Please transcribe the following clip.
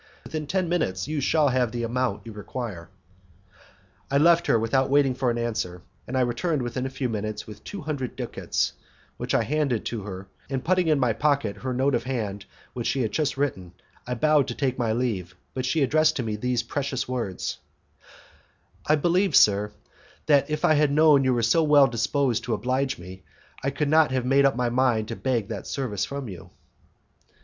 Within ten minutes you shall have the amount you require." I left her without waiting for an answer, and I returned within a few minutes with the two hundred ducats, which I handed to her, and putting in my pocket her note of hand which she had just written, I bowed to take my leave, but she addressed to me these precious words: "I believe, sir, that if I had known that you were so well disposed to oblige me, I could not have made up my mind to beg that service from you."